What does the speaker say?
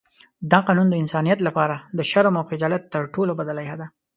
دا قانون د انسانیت لپاره د شرم او خجالت تر ټولو بده لایحه ده.